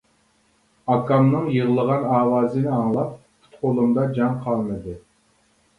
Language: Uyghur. ئاكامنىڭ يىغلىغان ئاۋازىنى ئاڭلاپ پۇت قولۇمدا جان قالمىدى.